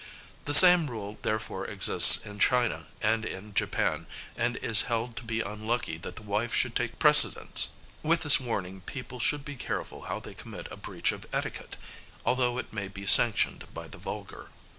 The same rule therefore exists in China and in Japan, and it is held to be unlucky that the wife should take precedence: with this warning people should be careful how they commit a breach of etiquette, although it may be sanctioned by the vulgar.